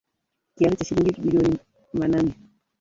Kiasi cha shilingi bilioni mnane